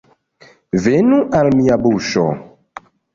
Venu al mia buŝo!